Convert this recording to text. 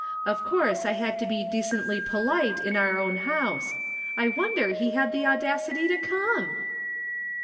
Of course I had to be decently polite in our own house. I wonder he had the audacity to come